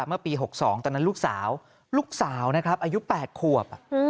เมื่อปี๖๒ตอนนั้นลูกสาวลูกสาวนะครับอายุ๘ขวบ